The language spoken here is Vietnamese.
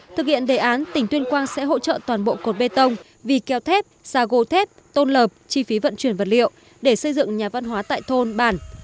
thực hiện đề án tỉnh tuyên quang sẽ hỗ trợ toàn bộ cột bê tông vì keo thép xa gồ thép tôn lợp chi phí vận chuyển vật liệu để xây dựng nhà văn hóa tại thôn bản